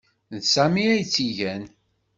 D Sami ay tt-igan.